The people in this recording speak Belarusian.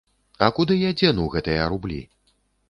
А куды я дзену гэтыя рублі?